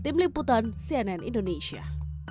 tim liputan cnn indonesia